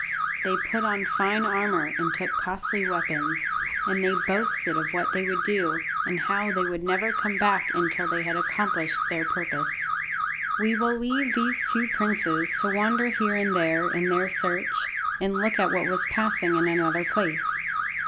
They put on fine armour, and took costly weapons, and they boasted of what they would do, and how they would never come back until they had accomplished their purpose. We will leave these two princes to wander here and there in their search, and look at what was passing in another place.